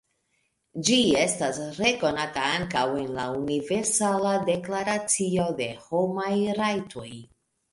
Ĝi estas rekonata ankaŭ en la Universala Deklaracio de Homaj Rajtoj.